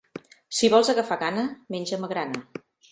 Si vols agafar gana, menja magrana.